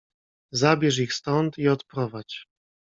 "Zabierz ich stąd i odprowadź!"